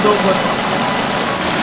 soalnya p cards